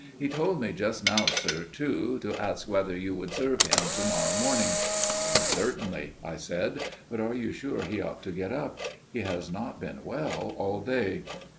He told me just now, sir, too, to ask whether you would serve him to morrow morning." "Certainly," I said; "but are you sure he ought to get up? He has not been well all day."